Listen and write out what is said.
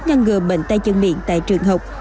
ngăn ngừa bệnh tay chân miệng tại trường học